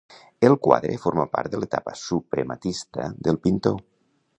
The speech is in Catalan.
El quadre forma part de l'etapa suprematista del pintor.